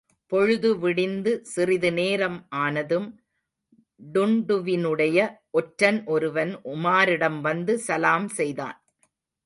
பொழுது விடிந்து சிறிது நேரம் ஆனதும் டுன்டுவினுடைய ஒற்றன் ஒருவன், உமாரிடம் வந்து சலாம் செய்தான்.